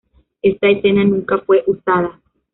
Esta escena nunca fue usada.